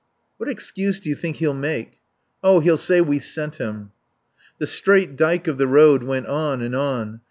"What excuse do you think he'll make?" "Oh, he'll say we sent him." The straight dyke of the road went on and on.